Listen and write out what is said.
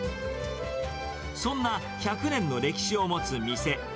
そんな１００年の歴史を持つ店。